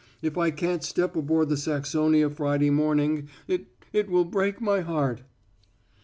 If I can't step aboard the Saxonia Friday morning it it will break my heart."